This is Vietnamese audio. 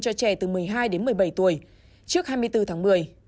cho trẻ từ một mươi hai đến một mươi bảy tuổi trước hai mươi bốn tháng một mươi